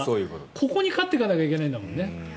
ここに勝っていかなきゃいけないんだもんね。